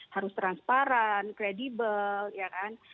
harus transparan kredibel ya kan